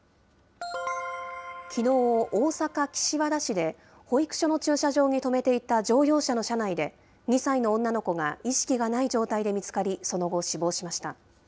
きのう、大阪・岸和田市で、保育所の駐車場に止めていた乗用車の車内で、２歳の女の子が意識がない状態で見つかり、その後、死亡しました。